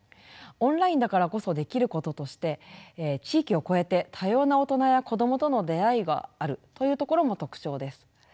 オンラインだからこそできることとして地域を超えて多様な大人や子どもとの出会いがあるというところも特徴です。